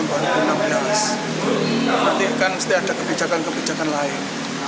nanti kan mesti ada kebijakan kebijakan lain